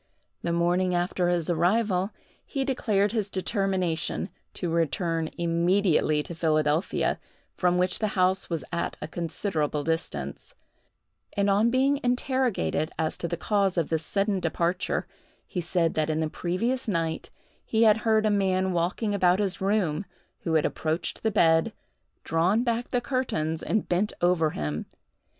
The morning after his arrival, he declared his determination to return immediately to Philadelphia, from which the house was at a considerable distance; and, on being interrogated as to the cause of this sudden departure, he said that in the previous night he had heard a man walking about his room, who had approached the bed, drawn back the curtains, and bent over him.